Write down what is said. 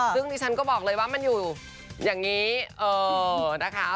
ซึ่งดิฉันก็บอกเลยว่ามันอยู่อย่างนี้นะคะ